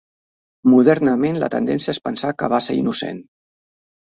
Modernament la tendència és pensar que va ser innocent.